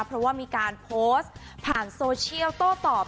เพราะว่ามีการโพสต์ผ่านโซเชียลโต้ตอบ